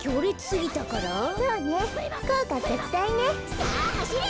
さあはしれ！